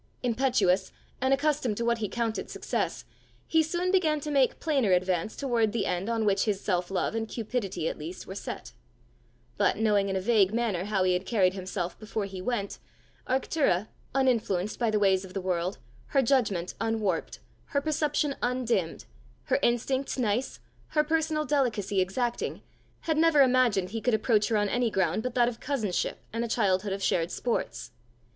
Impetuous, and accustomed to what he counted success, he soon began to make plainer advance toward the end on which his self love and cupidity at least were set. But, knowing in a vague manner how he had carried himself before he went, Arctura, uninfluenced by the ways of the world, her judgment unwarped, her perception undimmed, her instincts nice, her personal delicacy exacting, had never imagined he could approach her on any ground but that of cousinship and a childhood of shared sports.